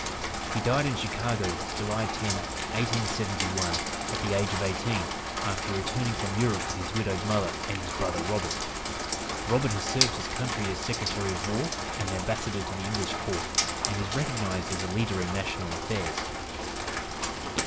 He died in Chicago, July 10, 1871, at the age of eighteen, after returning from Europe with his widowed mother and his brother Robert. Robert has served his country as Secretary of War and Ambassador to the English court, and is recognized as a leader in national affairs.